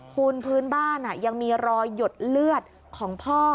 คุณพื้นบ้านยังมีรอยหยดเลือดของพ่อ